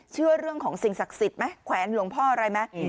เชื่อเรื่องของสิ่งศักดิ์สิทธิ์ไหมแขวนหลวงพ่ออะไรไหม